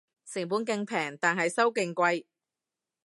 成本勁平但係收勁貴